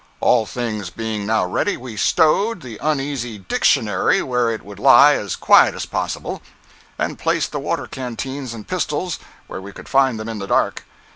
All things being now ready, we stowed the uneasy Dictionary where it would lie as quiet as possible, and placed the water canteens and pistols where we could find them in the dark.